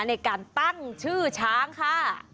ในการตั้งชื่อช้างค่ะ